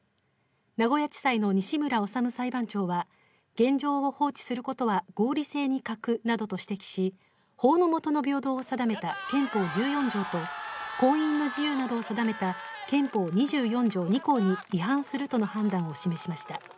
名古屋地裁の西村修裁判長は現状を放置することは、合理性に欠くなどと指摘し、法のもとの平等を定めた憲法１４条と婚姻の自由などを定めた憲法２４条２項に違反するとの判断を示しました。